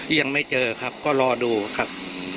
ยังไม่เจอครับก็รอดูครับ